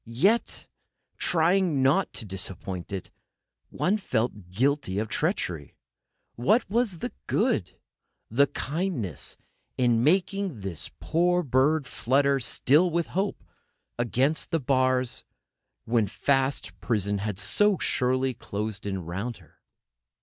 Yet, trying not to disappoint it, one felt guilty of treachery: What was the good, the kindness, in making this poor bird flutter still with hope against the bars, when fast prison had so surely closed in round her?